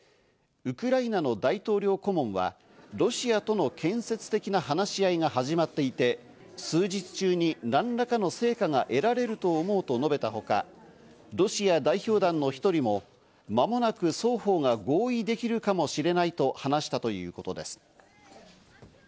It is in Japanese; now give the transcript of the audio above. ウクライナの大統領顧問はロシアとの建設的な話し合いが始まっていて、数日中に何らかの成果が得られると思うと述べたほか、ロシア代表団の１人も、間もなく双方が合意できるかもしれないと話したということです。